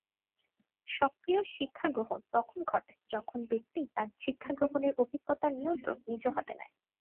সক্রিয় শিক্ষা গ্রহণ তখন ঘটে যখন ব্যক্তি তার শিক্ষা গ্রহণের অভিজ্ঞতার নিয়ন্ত্রণ নিজ হাতে নেয়।